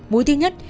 mũ thứ nhất